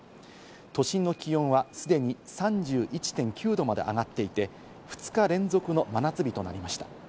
都心の気温はすでに３１．９度まで上がっていて、２日連続の真夏日となりました。